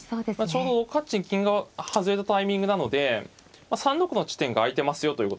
ちょうど６八金が外れたタイミングなので３六の地点が空いてますよということですね。